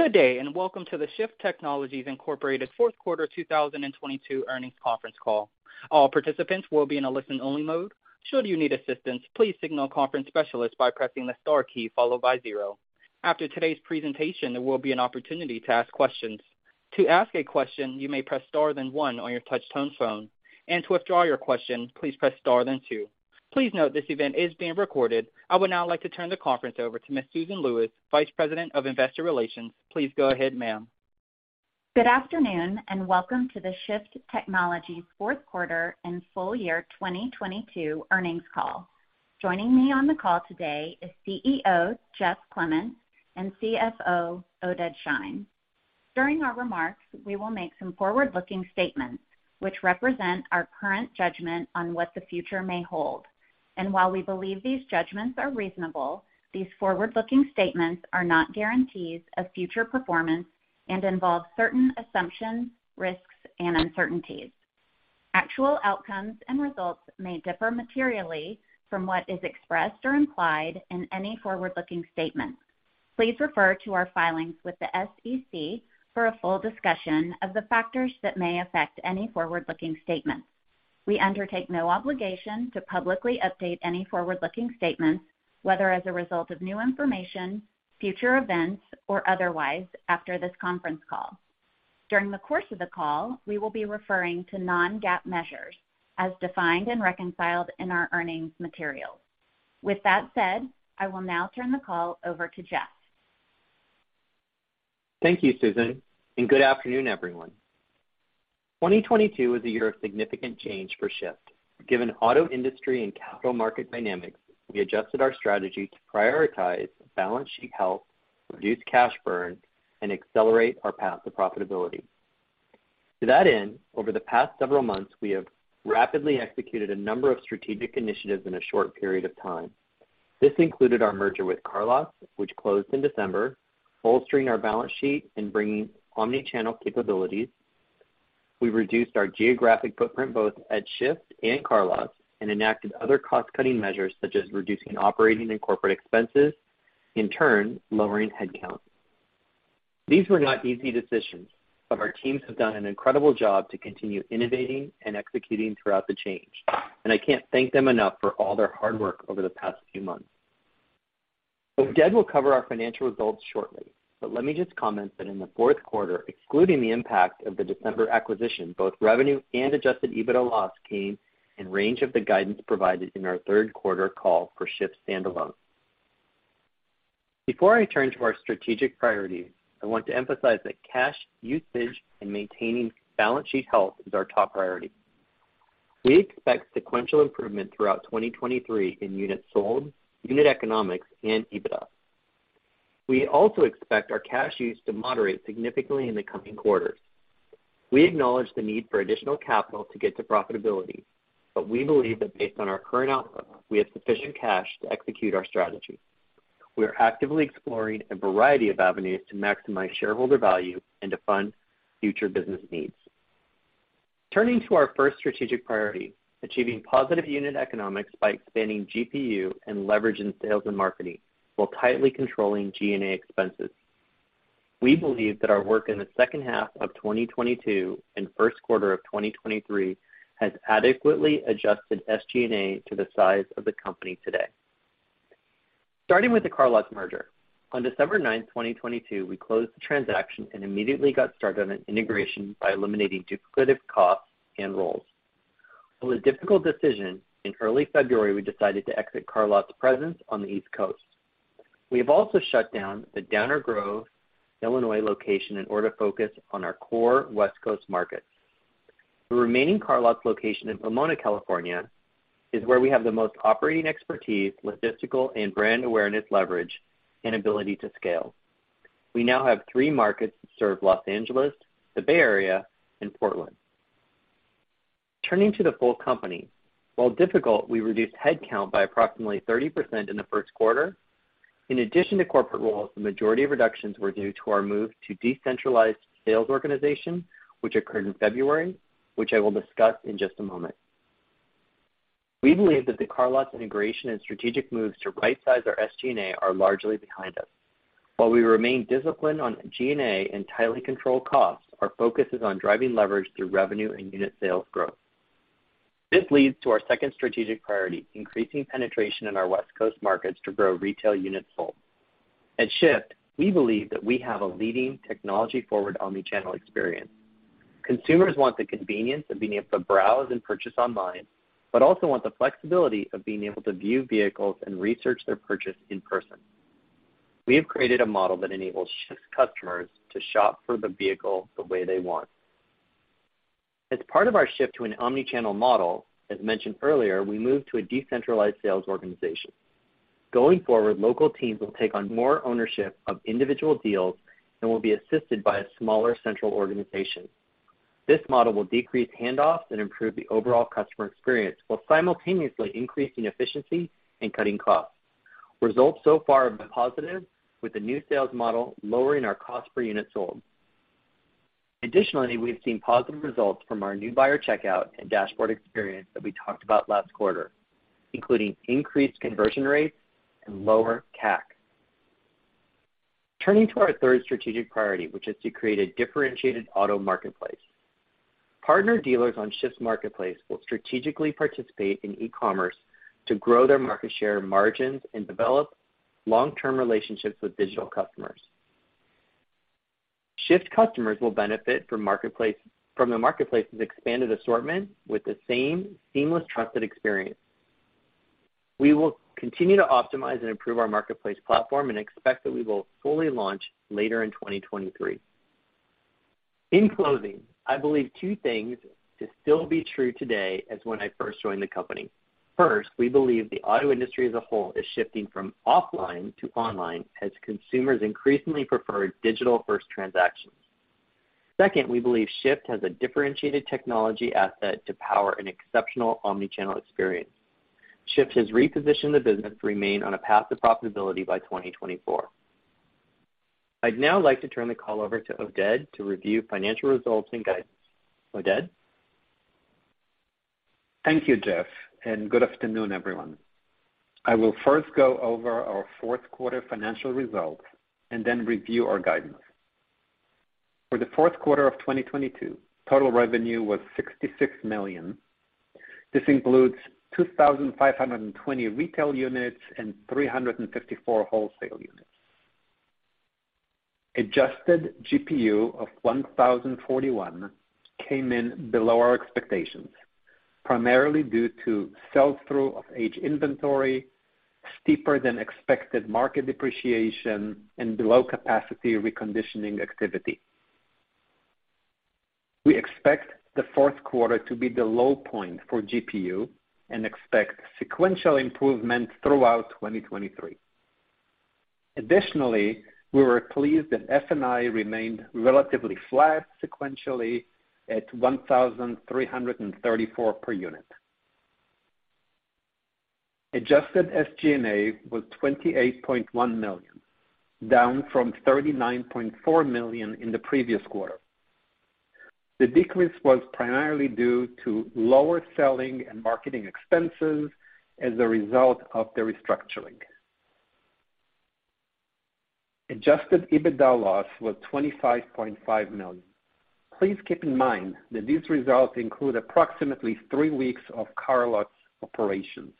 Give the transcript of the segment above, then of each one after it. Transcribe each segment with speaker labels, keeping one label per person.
Speaker 1: Good day, and welcome to the Shift Technologies, Inc. Fourth Quarter 2022 Earnings Conference Call. All participants will be in a listen-only mode. Should you need assistance, please signal a conference specialist by pressing the star key followed by zero. After today's presentation, there will be an opportunity to ask questions. To ask a question, you may press star then one on your touch-tone phone, and to withdraw your question, please press star then two. Please note this event is being recorded. I would now like to turn the conference over to Ms. Susan Lewis, Vice President of Investor Relations. Please go ahead, ma'am.
Speaker 2: Good afternoon, welcome to the Shift Technologies fourth quarter and full-year 2022 earnings call. Joining me on the call today is CEO Jeff Clementz and CFO Oded Shein. During our remarks, we will make some forward-looking statements which represent our current judgment on what the future may hold. While we believe these judgments are reasonable, these forward-looking statements are not guarantees of future performance and involve certain assumptions, risks, and uncertainties. Actual outcomes and results may differ materially from what is expressed or implied in any forward-looking statements. Please refer to our filings with the SEC for a full discussion of the factors that may affect any forward-looking statements. We undertake no obligation to publicly update any forward-looking statements, whether as a result of new information, future events, or otherwise after this conference call. During the course of the call, we will be referring to non-GAAP measures as defined and reconciled in our earnings materials. With that said, I will now turn the call over to Jeff.
Speaker 3: Thank you, Susan. Good afternoon, everyone. 2022 was a year of significant change for Shift. Given auto industry and capital market dynamics, we adjusted our strategy to prioritize balance sheet health, reduce cash burn, and accelerate our path to profitability. To that end, over the past several months, we have rapidly executed a number of strategic initiatives in a short period of time. This included our merger with CarLotz, which closed in December, bolstering our balance sheet and bringing omni-channel capabilities. We reduced our geographic footprint both at Shift and CarLotz and enacted other cost-cutting measures such as reducing operating and corporate expenses, in turn, lowering headcount. These were not easy decisions. Our teams have done an incredible job to continue innovating and executing throughout the change, and I can't thank them enough for all their hard work over the past few months. Oded will cover our financial results shortly, but let me just comment that in the fourth quarter, excluding the impact of the December acquisition, both revenue and adjusted EBITDA loss came in range of the guidance provided in our third quarter call for Shift standalone. Before I turn to our strategic priorities, I want to emphasize that cash usage and maintaining balance sheet health is our top priority. We expect sequential improvement throughout 2023 in units sold, unit economics, and EBITDA. We also expect our cash use to moderate significantly in the coming quarters. We acknowledge the need for additional capital to get to profitability, but we believe that based on our current outlook, we have sufficient cash to execute our strategy. We are actively exploring a variety of avenues to maximize shareholder value and to fund future business needs. Turning to our first strategic priority, achieving positive unit economics by expanding GPU and leverage in sales and marketing, while tightly controlling G&A expenses. We believe that our work in the second half of 2022 and first quarter of 2023 has adequately adjusted SG&A to the size of the company today. Starting with the CarLotz merger, on 9 December 2022, we closed the transaction and immediately got started on integration by eliminating duplicative costs and roles. It was a difficult decision. In early February, we decided to exit CarLotz presence on the East Coast. We have also shut down the Downers Grove, Illinois, location in order to focus on our core West Coast markets. The remaining CarLotz location in Pomona, California, is where we have the most operating expertise, logistical and brand awareness leverage, and ability to scale. We now have three markets that serve Los Angeles, the Bay Area, and Portland. Turning to the full company, while difficult, we reduced headcount by approximately 30% in the first quarter. In addition to corporate roles, the majority of reductions were due to our move to decentralized sales organization, which occurred in February, which I will discuss in just a moment. We believe that the CarLotz integration and strategic moves to right-size our SG&A are largely behind us. While we remain disciplined on G&A and tightly control costs, our focus is on driving leverage through revenue and unit sales growth. This leads to our second strategic priority, increasing penetration in our West Coast markets to grow retail units sold. At Shift, we believe that we have a leading technology-forward omni-channel experience. Consumers want the convenience of being able to browse and purchase online, but also want the flexibility of being able to view vehicles and research their purchase in person. We have created a model that enables Shift's customers to shop for the vehicle the way they want. As part of our shift to an omni-channel model, as mentioned earlier, we moved to a decentralized sales organization. Going forward, local teams will take on more ownership of individual deals and will be assisted by a smaller central organization. This model will decrease handoffs and improve the overall customer experience while simultaneously increasing efficiency and cutting costs. Results so far have been positive, with the new sales model lowering our cost per unit sold. Additionally, we've seen positive results from our new buyer checkout and dashboard experience that we talked about last quarter, including increased conversion rates and lower CAC. Turning to our third strategic priority, which is to create a differentiated auto marketplace. Partner dealers on Shift Marketplace will strategically participate in e-commerce to grow their market share margins and develop long-term relationships with digital customers. Shift customers will benefit from the marketplace's expanded assortment with the same seamless trusted experience. We will continue to optimize and improve our marketplace platform and expect that we will fully launch later in 2023. In closing, I believe two things to still be true today as when I first joined the company. First, we believe the auto industry as a whole is shifting from offline to online as consumers increasingly prefer digital-first transactions. Second, we believe Shift has a differentiated technology asset to power an exceptional omnichannel experience. Shift has repositioned the business to remain on a path to profitability by 2024. I'd now like to turn the call over to Oded to review financial results and guidance. Oded?
Speaker 4: Thank you, Jeff. Good afternoon, everyone. I will first go over our fourth quarter financial results and then review our guidance. For the fourth quarter of 2022, total revenue was $66 million. This includes 2,520 retail units and 354 wholesale units. Adjusted GPU of $1,041 came in below our expectations, primarily due to sell-through of age inventory, steeper than expected market depreciation and below capacity reconditioning activity. We expect the fourth quarter to be the low point for GPU and expect sequential improvement throughout 2023. Additionally, we were pleased that F&I remained relatively flat sequentially at $1,334 per unit. Adjusted SG&A was $28.1 million, down from $39.4 million in the previous quarter. The decrease was primarily due to lower selling and marketing expenses as a result of the restructuring. Adjusted EBITDA loss was $25.5 million. Please keep in mind that these results include approximately three weeks of CarLotz operations.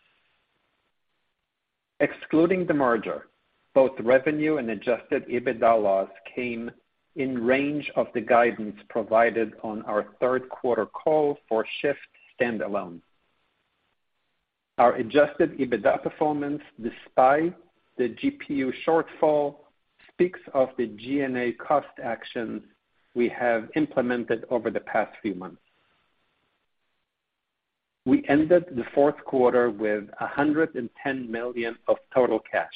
Speaker 4: Excluding the merger, both revenue and adjusted EBITDA loss came in range of the guidance provided on our third quarter call for Shift standalone. Our adjusted EBITDA performance, despite the GPU shortfall, speaks of the G&A cost actions we have implemented over the past few months. We ended the fourth quarter with $110 million of total cash.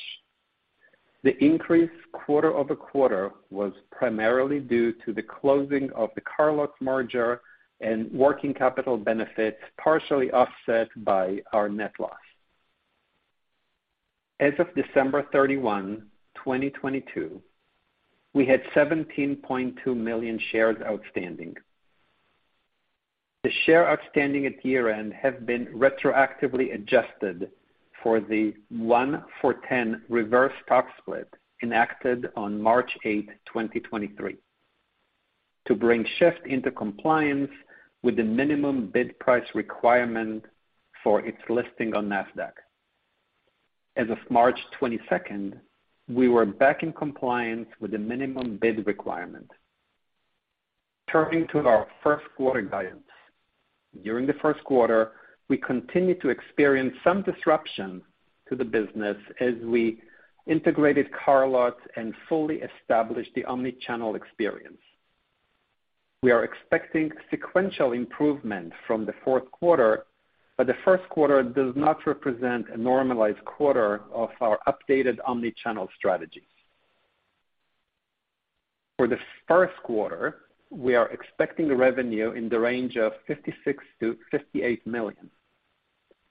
Speaker 4: The increase quarter-over-quarter was primarily due to the closing of the CarLotz merger and working capital benefits, partially offset by our net loss. As of December 31, 2022, we had 17.2 million shares outstanding. The share outstanding at year-end have been retroactively adjusted for the one for 10 reverse stock split enacted on 8 March 2023, to bring Shift into compliance with the minimum bid price requirement for its listing on Nasdaq. As of 22 March 2023, we were back in compliance with the minimum bid requirement. Turning to our first quarter guidance. During the first quarter, we continued to experience some disruption to the business as we integrated CarLotz and fully established the omnichannel experience. We are expecting sequential improvement from the fourth quarter, but the first quarter does not represent a normalized quarter of our updated omnichannel strategies. For the first quarter, we are expecting revenue in the range of $56 million-$58 million,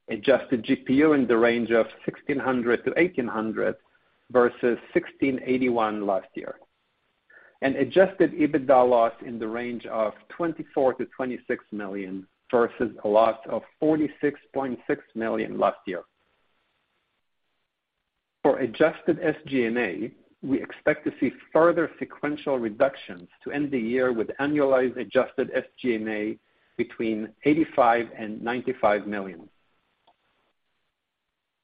Speaker 4: adjusted GPU in the range of 1,600-1,800 versus 1,681 last year, and adjusted EBITDA loss in the range of $24 million-$26 million versus a loss of $46.6 million last year. For adjusted SG&A, we expect to see further sequential reductions to end the year with annualized adjusted SG&A between $85 million and $95 million.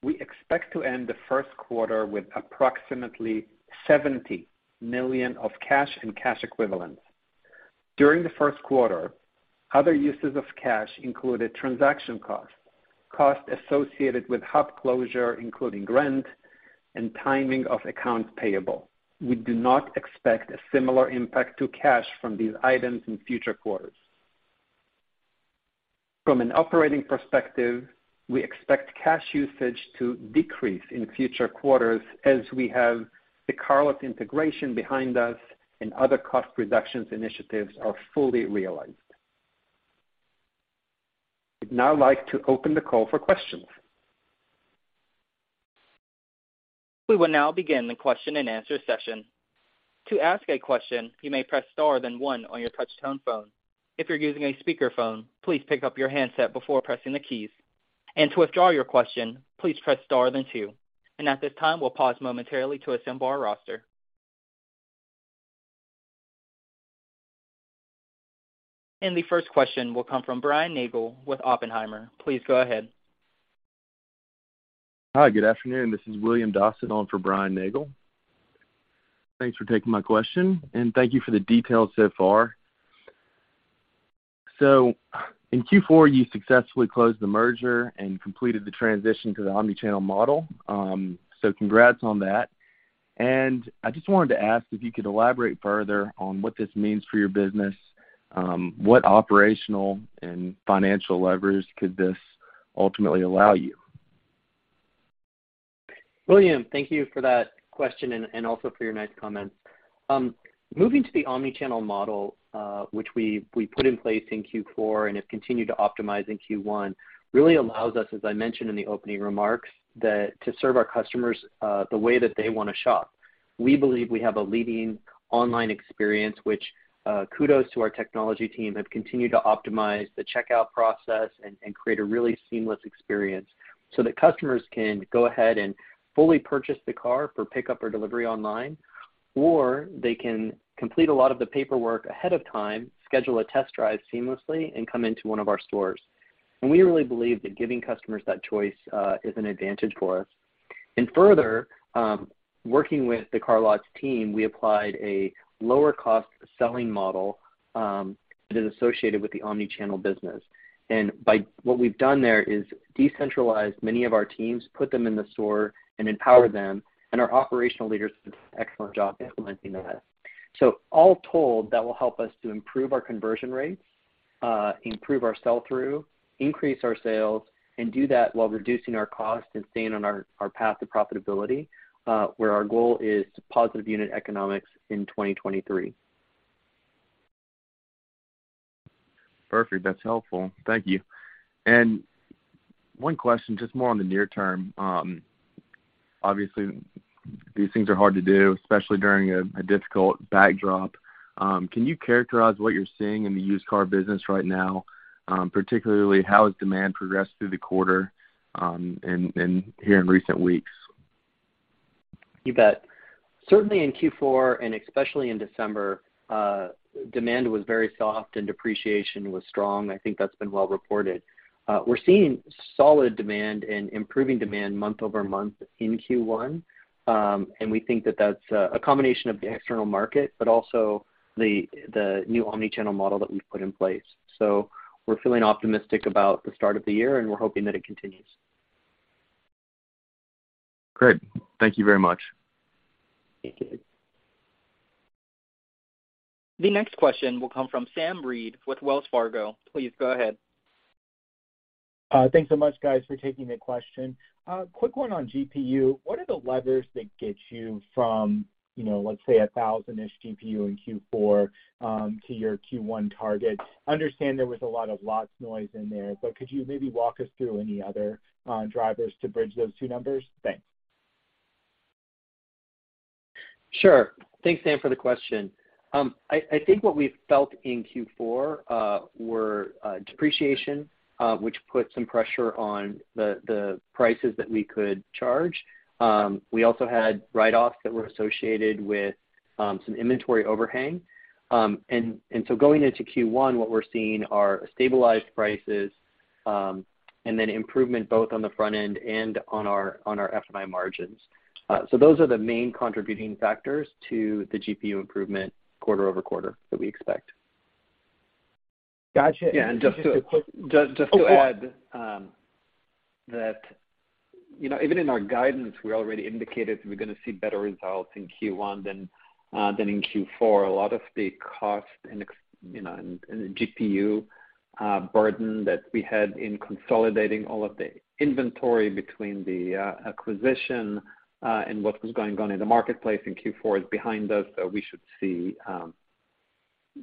Speaker 4: We expect to end the first quarter with approximately $70 million of cash and cash equivalents. During the first quarter, other uses of cash included transaction costs associated with hub closure, including rent and timing of accounts payable. We do not expect a similar impact to cash from these items in future quarters. From an operating perspective, we expect cash usage to decrease in future quarters as we have the CarLotz integration behind us and other cost reductions initiatives are fully realized. I'd now like to open the call for questions.
Speaker 1: We will now begin the question and answer session. To ask a question, you may press star then one on your touch-tone phone. If you're using a speakerphone, please pick up your handset before pressing the keys. To withdraw your question, please press star then two. At this time, we'll pause momentarily to assemble our roster. The first question will come from Brian Nagel with Oppenheimer. Please go ahead.
Speaker 5: Hi, good afternoon. This is William Dawson on for Brian Nagel. Thanks for taking my question. Thank you for the details so far. In Q4, you successfully closed the merger and completed the transition to the omni-channel model. So congrats on that. I just wanted to ask if you could elaborate further on what this means for your business. What operational and financial levers could this ultimately allow you?
Speaker 3: William, thank you for that question and also for your nice comments. Moving to the omni-channel model, which we put in place in Q4 and have continued to optimize in Q1, really allows us, as I mentioned in the opening remarks, to serve our customers the way that they wanna shop. We believe we have a leading online experience, which kudos to our technology team, have continued to optimize the checkout process and create a really seamless experience so that customers can go ahead and fully purchase the car for pickup or delivery online, or they can complete a lot of the paperwork ahead of time, schedule a test drive seamlessly, and come into one of our stores. We really believe that giving customers that choice is an advantage for us. Further, working with the CarLotz team, we applied a lower cost selling model that is associated with the omni-channel business. What we've done there is decentralized many of our teams, put them in the store and empower them, and our operational leaders did an excellent job implementing that. All told, that will help us to improve our conversion rates, improve our sell-through, increase our sales, and do that while reducing our cost and staying on our path to profitability, where our goal is to positive unit economics in 2023.
Speaker 5: Perfect. That's helpful. Thank you. One question, just more on the near term. Obviously these things are hard to do, especially during a difficult backdrop. Can you characterize what you're seeing in the used car business right now? Particularly, how has demand progressed through the quarter, and here in recent weeks?
Speaker 3: You bet. Certainly, in Q4, and especially in December, demand was very soft and depreciation was strong. I think that's been well reported. We're seeing solid demand and improving demand month-over-month in Q1. We think that that's a combination of the external market, but also the new omni-channel model that we've put in place. We're feeling optimistic about the start of the year, and we're hoping that it continues.
Speaker 5: Great. Thank you very much.
Speaker 3: Thank you.
Speaker 1: The next question will come from Sam Reid with Wells Fargo. Please go ahead.
Speaker 6: Thanks so much, guys, for taking the question. Quick one on GPU. What are the levers that get you from, you know, let's say, $1,000-ish GPU in Q4 to your Q1 target? Understand there was a lot of CarLotz noise in there. Could you maybe walk us through any other drivers to bridge those two numbers? Thanks.
Speaker 3: Sure. Thanks, Sam, for the question. I think what we felt in Q4 were depreciation, which put some pressure on the prices that we could charge. We also had write-offs that were associated with some inventory overhang. Going into Q1, what we're seeing are stabilized prices, and then improvement both on the front end and on our F&I margins. Those are the main contributing factors to the GPU improvement quarter-over-quarter that we expect.
Speaker 6: Gotcha.
Speaker 4: Yeah. Just.
Speaker 6: Just a quick.
Speaker 4: Just to add that, you know, even in our guidance, we already indicated we're gonna see better results in Q1 than in Q4. A lot of the cost and, you know, and the GPU burden that we had in consolidating all of the inventory between the acquisition and what was going on in the marketplace in Q4 is behind us. We should see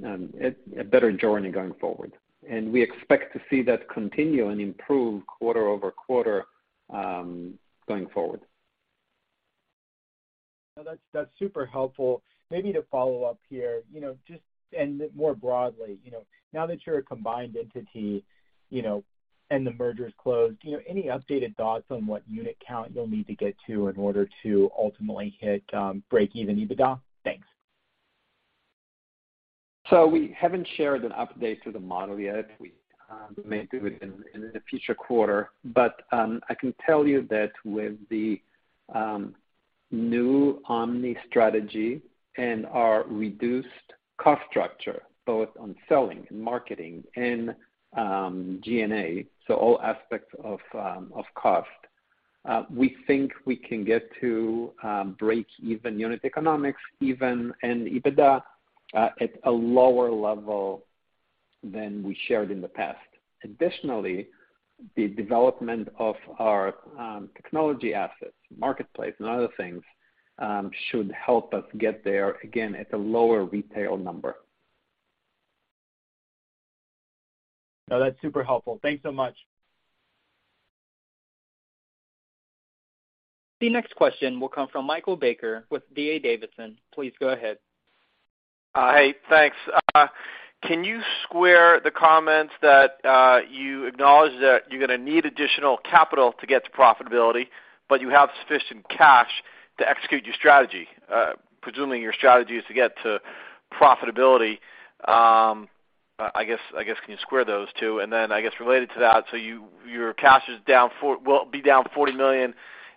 Speaker 4: a better journey going forward. We expect to see that continue and improve quarter-over-quarter going forward.
Speaker 6: No, that's super helpful. Maybe to follow up here, you know, more broadly, you know, now that you're a combined entity, you know, and the merger's closed, you know, any updated thoughts on what unit count you'll need to get to in order to ultimately hit break even EBITDA? Thanks.
Speaker 4: We haven't shared an update to the model yet. We may do it in a future quarter. I can tell you that with the new omni strategy and our reduced cost structure, both on selling and marketing and G&A, all aspects of cost, we think we can get to break even unit economics even in EBITDA at a lower level than we shared in the past. Additionally, the development of our technology assets, marketplace and other things, should help us get there again at a lower retail number.
Speaker 3: No, that's super helpful. Thanks so much.
Speaker 1: The next question will come from Michael Baker with D.A. Davidson. Please go ahead.
Speaker 7: Hey, thanks. Can you square the comments that you acknowledge that you're gonna need additional capital to get to profitability, but you have sufficient cash to execute your strategy? Presuming your strategy is to get to profitability, I guess, can you square those two? I guess related to that, your cash will be down $40 million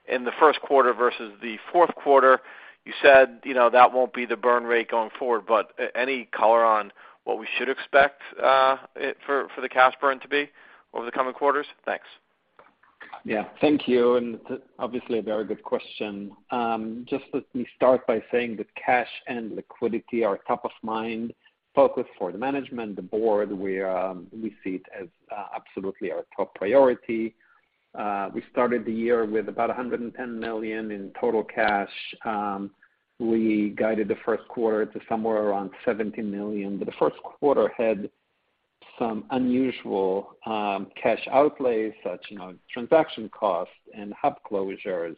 Speaker 7: in the first quarter versus the fourth quarter. You said, you know, that won't be the burn rate going forward, any color on what we should expect for the cash burn to be over the coming quarters? Thanks.
Speaker 4: Yeah. Thank you. It's obviously a very good question. Just let me start by saying that cash and liquidity are a top-of-mind focus for the management, the board. We see it as absolutely our top priority. We started the year with about $110 million in total cash. We guided the first quarter to somewhere around $70 million. The first quarter had some unusual cash outlays such, you know, transaction costs and hub closures,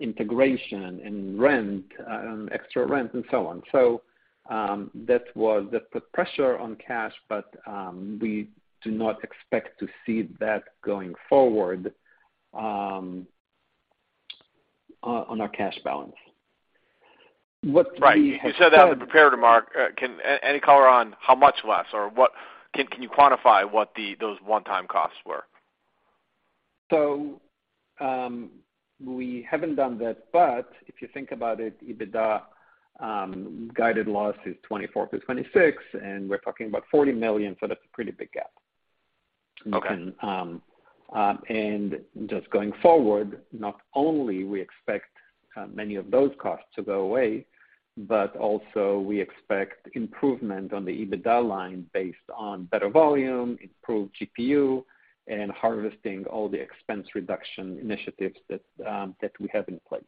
Speaker 4: integration and rent, extra rent and so on. That put pressure on cash. We do not expect to see that going forward on our cash balance. What we have
Speaker 7: Right. You said that in the prepared remark. Any color on how much less or what. Can you quantify what those one-time costs were?
Speaker 4: We haven't done that, but if you think about it, EBITDA, guided loss is $24 million-$26 million, and we're talking about $40 million, so that's a pretty big gap.
Speaker 7: Okay.
Speaker 4: Just going forward, not only do we expect many of those costs to go away, but also we expect improvement on the EBITDA line based on better volume, improved GPU, and harvesting all the expense reduction initiatives that we have in place.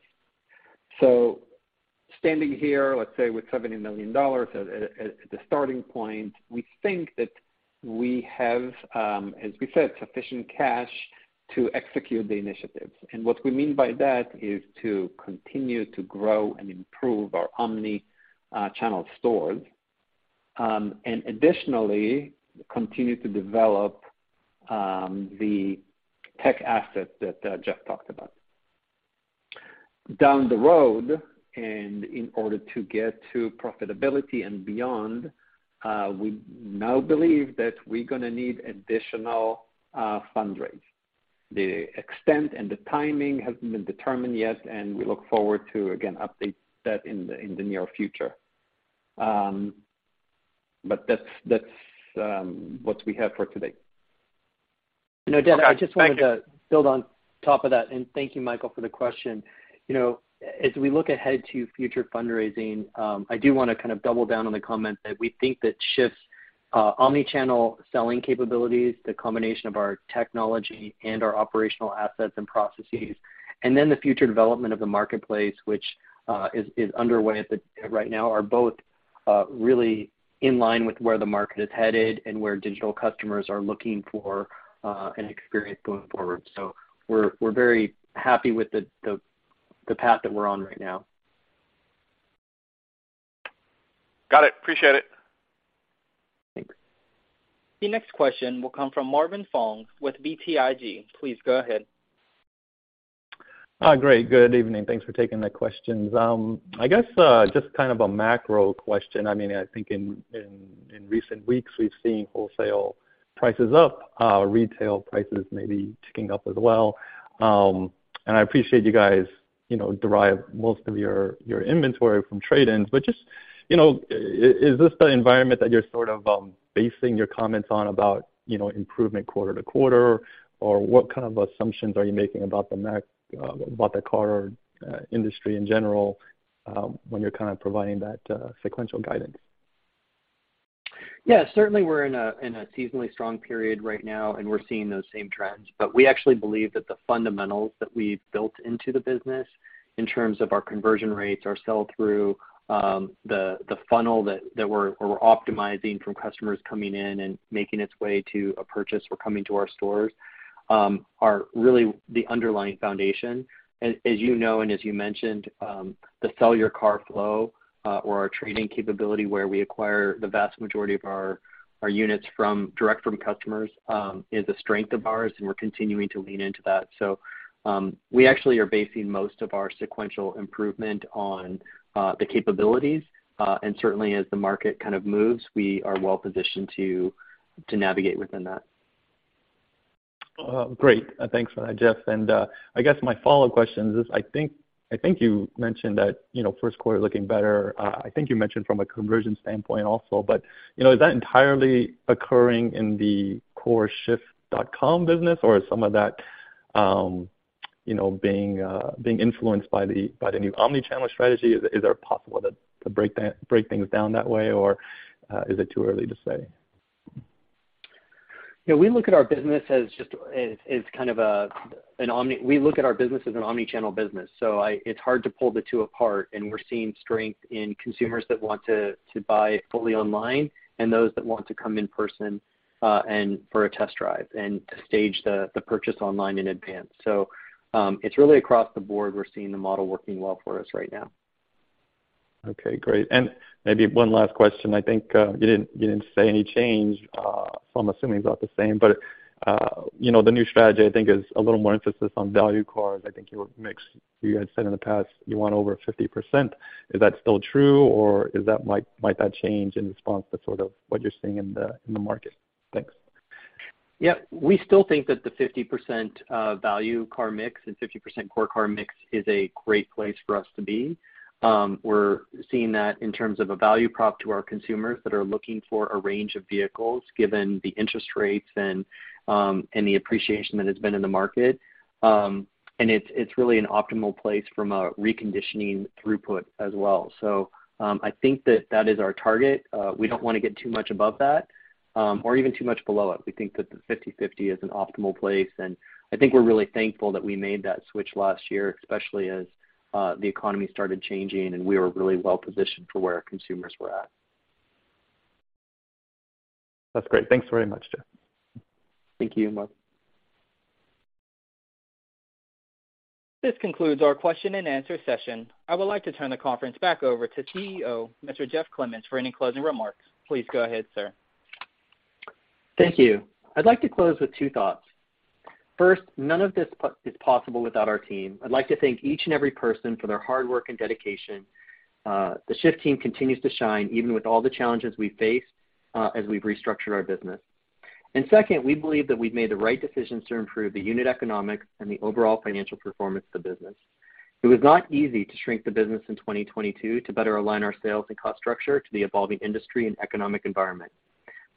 Speaker 4: Standing here, let's say, with $70 million at the starting point, we think that we have, as we said, sufficient cash to execute the initiatives. What we mean by that is to continue to grow and improve our omni-channel stores, and additionally, continue to develop the tech assets that Jeff talked about. Down the road, in order to get to profitability and beyond, we now believe that we're gonna need additional fundraise. The extent and the timing hasn't been determined yet, and we look forward to, again, update that in the, in the near future. That's what we have for today.
Speaker 3: You know, Oded, I just wanted to build on top of that. Thank you, Michael, for the question. You know, as we look ahead to future fundraising, I do wanna kind of double down on the comment that we think that Shift's omni-channel selling capabilities, the combination of our technology and our operational assets and processes, and then the future development of the Marketplace which is underway right now are both really in line with where the market is headed and where digital customers are looking for an experience going forward. We're very happy with the path that we're on right now.
Speaker 7: Got it. Appreciate it.
Speaker 3: Thanks.
Speaker 1: The next question will come from Marvin Fong with BTIG. Please go ahead.
Speaker 8: Great. Good evening. Thanks for taking the questions. I guess, just kind of a macro question. I mean, I think in recent weeks, we've seen wholesale prices up, retail prices maybe ticking up as well. I appreciate you guys, you know, derive most of your inventory from trade-ins. Just, you know, is this the environment that you're sort of basing your comments on about, you know, improvement quarter to quarter? Or what kind of assumptions are you making about the car industry in general, when you're kind of providing that sequential guidance?
Speaker 3: Yeah, certainly we're in a seasonally strong period right now, and we're seeing those same trends. We actually believe that the fundamentals that we've built into the business in terms of our conversion rates, our sell-through, the funnel that we're optimizing from customers coming in and making its way to a purchase or coming to our stores, are really the underlying foundation. As you know, and as you mentioned, the sell-your-car flow, or our trading capability where we acquire the vast majority of our units from direct from customers, is a strength of ours, and we're continuing to lean into that. We actually are basing most of our sequential improvement on the capabilities. Certainly as the market kind of moves, we are well positioned to navigate within that.
Speaker 8: Great. Thanks for that, Jeff. I guess my follow-up question is I think you mentioned that, you know, first quarter looking better, I think you mentioned from a conversion standpoint also. You know, is that entirely occurring in the core shift.com business or is some of that, you know, being influenced by the, by the new omni-channel strategy? Is that possible to break things down that way, or is it too early to say?
Speaker 3: Yeah, we look at our business as an omni-channel business, so it's hard to pull the two apart, and we're seeing strength in consumers that want to buy fully online and those that want to come in person, and for a test drive and to stage the purchase online in advance. It's really across the board we're seeing the model working well for us right now.
Speaker 8: Okay, great. Maybe one last question. I think, you didn't say any change. I'm assuming it's about the same, but, you know, the new strategy I think is a little more emphasis on value cars. I think your mix, you had said in the past you want over 50%. Is that still true, or might that change in response to sort of what you're seeing in the market? Thanks.
Speaker 3: Yeah. We still think that the 50% value car mix and 50% core car mix is a great place for us to be. We're seeing that in terms of a value prop to our consumers that are looking for a range of vehicles given the interest rates and the appreciation that has been in the market. And it's really an optimal place from a reconditioning throughput as well. I think that that is our target. We don't wanna get too much above that or even too much below it. We think that the 50/50 is an optimal place, and I think we're really thankful that we made that switch last year, especially as the economy started changing, and we were really well-positioned for where our consumers were at.
Speaker 8: That's great. Thanks very much, Jeff.
Speaker 3: Thank you, Mark.
Speaker 1: This concludes our question and answer session. I would like to turn the conference back over to CEO, Mr. Jeff Clementz, for any closing remarks. Please go ahead, sir.
Speaker 3: Thank you. I'd like to close with two thoughts. First, none of this is possible without our team. I'd like to thank each and every person for their hard work and dedication. The Shift team continues to shine even with all the challenges we face as we've restructured our business. Second, we believe that we've made the right decisions to improve the unit economics and the overall financial performance of the business. It was not easy to shrink the business in 2022 to better align our sales and cost structure to the evolving industry and economic environment.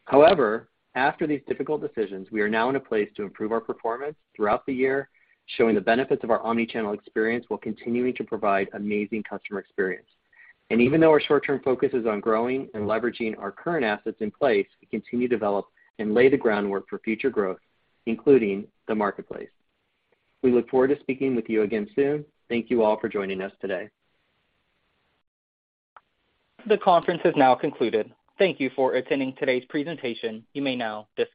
Speaker 3: However, after these difficult decisions, we are now in a place to improve our performance throughout the year, showing the benefits of our omni-channel experience while continuing to provide amazing customer experience. Even though our short-term focus is on growing and leveraging our current assets in place, we continue to develop and lay the groundwork for future growth, including the marketplace. We look forward to speaking with you again soon. Thank you all for joining us today.
Speaker 1: The conference has now concluded. Thank you for attending today's presentation. You may now disconnect.